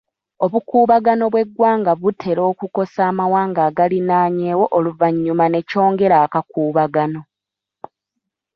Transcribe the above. Obukuubagano bw'eggwanga butera okukosa amawanga agaliraanyeewo oluvannyuma ne kyongera akakuubagano.